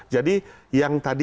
jadi yang tadi